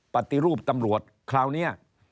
ปฏิรูปตำรวจคราวนี้